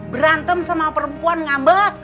berantem sama perempuan ngambet